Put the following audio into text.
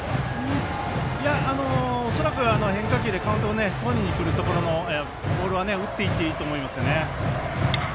いや、恐らく変化球でカウントをとりにくるボールは打っていっていいと思います。